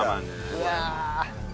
うわ。